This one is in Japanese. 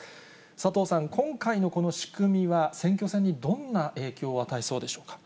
佐藤さん、今回のこの仕組みは、選挙戦にどんな影響を与えそうでしょうか。